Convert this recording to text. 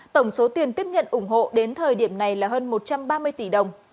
tổng số tiền tiếp nhận ủng hộ đến thời điểm này là hơn một trăm ba mươi tỷ đồng